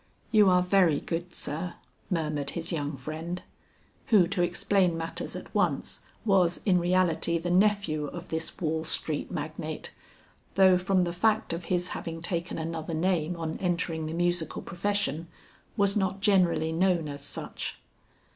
"You are very good, sir," murmured his young friend, who to explain matters at once was in reality the nephew of this Wall Street magnate, though from the fact of his having taken another name on entering the musical profession, was not generally known as such.